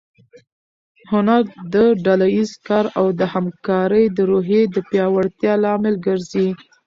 هنر د ډله ییز کار او د همکارۍ د روحیې د پیاوړتیا لامل ګرځي.